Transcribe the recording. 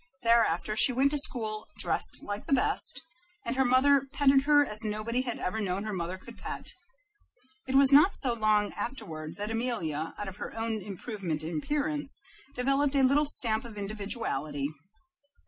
Thereafter she went to school "dressed like the best," and her mother petted her as nobody had ever known her mother could pet. It was not so very long afterward that Amelia, out of her own improvement in appearance, developed a little stamp of individuality.